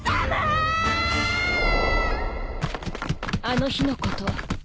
あの日のこと